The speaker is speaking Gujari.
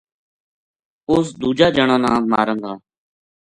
اس دوجا جنا نا ماراں گا